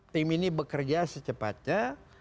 tim ini bekerja secepatnya